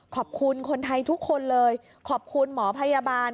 ขอบคุณคนไทยทุกคนเลยขอบคุณหมอพยาบาล